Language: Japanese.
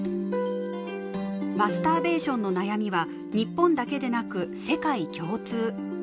マスターベーションの悩みは日本だけでなく世界共通。